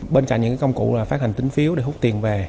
bên cạnh những công cụ là phát hành tính phiếu để hút tiền về